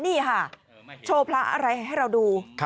นี่ค่ะโชว์พระอะไรให้เราดู